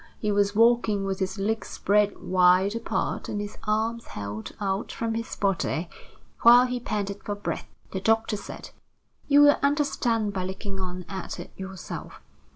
He was walking with his legs spread Wide apart and his arms held out from his body, While he panted for breath. The doctor said: "You will understand by looking on at it yourself."